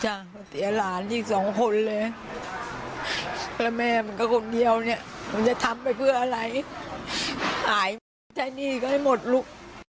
มาเสียหลานอีกสองคนเลยแล้วแม่มันก็คนเดียวเนี่ยมันจะทำไปเพื่ออะไรหายไหมใช้หนี้ก็ให้หมดลูก